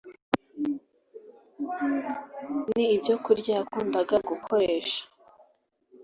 Ni ibyokurya yakundaga gukoresha